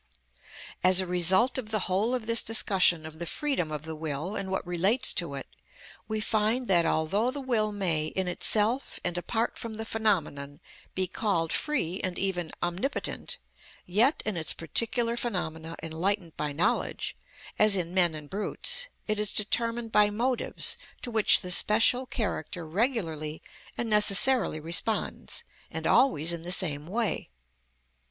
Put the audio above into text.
As the result of the whole of this discussion of the freedom of the will and what relates to it, we find that although the will may, in itself and apart from the phenomenon, be called free and even omnipotent, yet in its particular phenomena enlightened by knowledge, as in men and brutes, it is determined by motives to which the special character regularly and necessarily responds, and always in the same way.